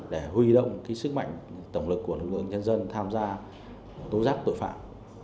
để huy động sức mạnh tổng lực của lực lượng nhân dân tham gia tố giác tội phạm